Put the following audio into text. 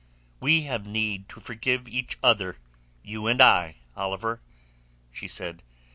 "We have need to forgive each other, you and I, Oliver," she said.